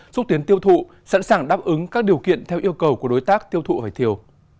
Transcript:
xúc tiến tiêu thụ sẵn sàng đáp ứng các điều kiện theo yêu cầu của đối tác tiêu thụ vải thiều